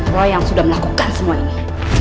roh yang sudah melakukan semua ini